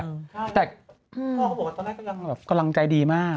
พ่อเขาบอกว่าตอนแรกกำลังใจดีมาก